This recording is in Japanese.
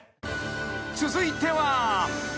［続いては］